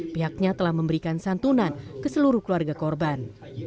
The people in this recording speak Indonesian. pihaknya telah memberikan santunan ke seluruh keluarga korban